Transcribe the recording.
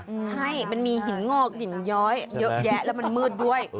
ใช่มันมีหินงอกหินย้อยเยอะแยะแล้วมันมืดด้วย